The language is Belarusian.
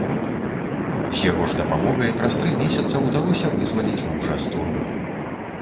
З яго ж дапамогай праз тры месяца ўдалося вызваліць мужа з турмы.